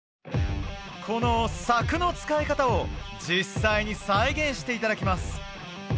この柵の使い方を実際に再現していただきます